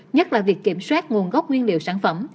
nhất là việc kiểm soát nguồn gốc nguyên liệu sản phẩm